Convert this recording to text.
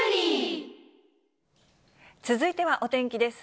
続いてはお天気です。